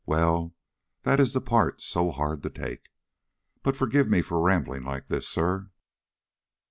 Well, that is the part so hard to take. But forgive me for rambling like this, sir."